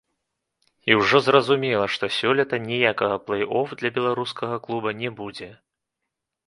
І ўжо зразумела, што сёлета ніякага плэй-оф для беларускага клуба не будзе.